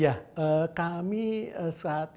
ya kami saat ini